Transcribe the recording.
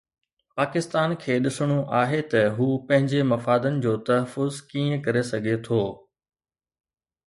پاڪستان کي ڏسڻو آهي ته هو پنهنجي مفادن جو تحفظ ڪيئن ڪري سگهي ٿو.